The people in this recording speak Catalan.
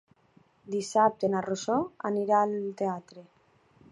Dissabte na Rosó anirà al teatre.